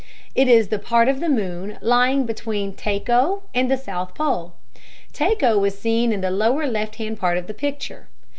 It is the part of the moon lying between Tycho and the south pole. Tycho is seen in the lower left hand part of the picture.